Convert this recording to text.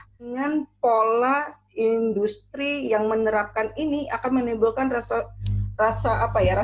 dengan pola industri yang menerapkan ini akan menimbulkan rasa apa ya